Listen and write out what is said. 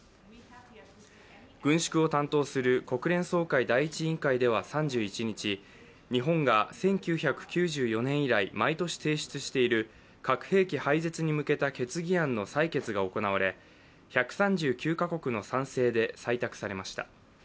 軍縮を担当する国連総会第１委員会では３１日、日本が１９９４年以来、毎年提出している核兵器廃絶に向けた決議案の採決が行われ１３９か国の賛成で採択されました。